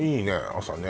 朝ね